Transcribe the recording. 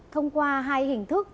thông qua hai hình thức